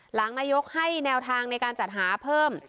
หลังนายกให้แนวทางในการจัดหาเพิ่ม